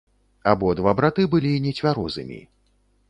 Абодва браты былі нецвярозымі.